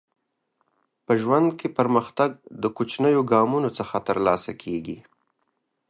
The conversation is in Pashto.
په ژوند کې پرمختګ د کوچنیو ګامونو څخه ترلاسه کیږي.